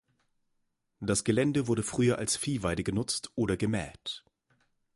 Das Gelände wurde früher als Viehweide genutzt oder gemäht.